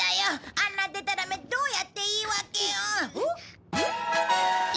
あんなでたらめどうやって言い訳をおっ？